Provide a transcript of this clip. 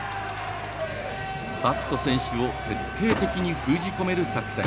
バット選手を徹底的に封じ込める作戦。